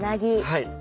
はい。